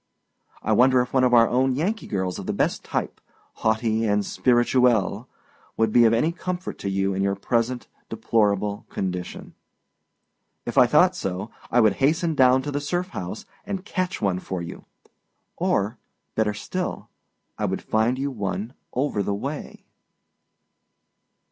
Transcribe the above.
I wonder if one of our own Yankee girls of the best type, haughty and spirituelle, would be of any comfort to you in your present deplorable condition. If I thought so, I would hasten down to the Surf House and catch one for you; or, better still, I would find you one over the way.